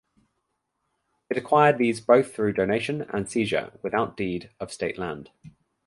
It acquired these both through donation and seizure without deed of state land.